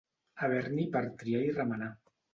Haver-n'hi per triar i remenar.